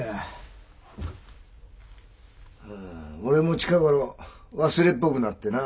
俺も近ごろ忘れっぽくなってな。